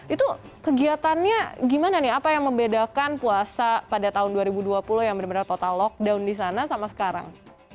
itu kegiatannya gimana nih apa yang membedakan puasa pada tahun dua ribu dua puluh yang benar benar total lockdown di sana sama sekarang